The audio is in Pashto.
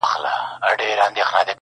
o که پنځه کسه راښکيل وي پردي غم کي,